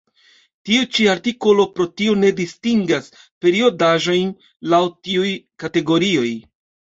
Tiu ĉi artikolo pro tio ne distingas periodaĵojn laŭ tiuj kategorioj.